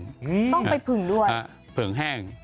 ต้องไปผึ่งด้วยอ่ะผึ่งแห้ง